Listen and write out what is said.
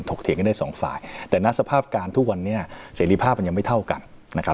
เถียงกันได้สองฝ่ายแต่ณสภาพการณ์ทุกวันนี้เสรีภาพมันยังไม่เท่ากันนะครับ